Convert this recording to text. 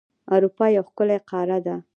اروپا یو ښکلی قاره ده.